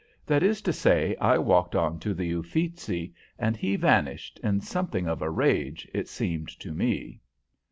That is to say, I walked on to the Uffizi, and he vanished, in something of a rage, it seemed to me.